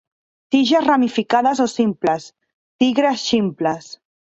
Tiges ramificades o simples, tigres ximples.